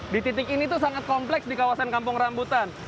di titik ini tuh sangat kompleks di kawasan kampung rambutan